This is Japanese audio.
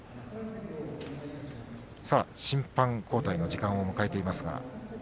審判交代の時間を迎えています。